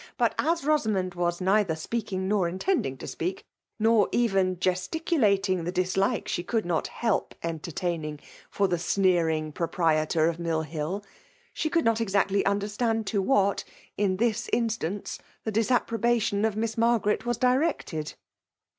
But as Bosamond was neither flpeaking nor intending to speak, nor even gesticulating the dislike she coidd not help entertaining for the sneering proprietor of Mill WHt she conld not exactly understand to irhaty in thu instance, the disapprobation of Miss Margaret was directed.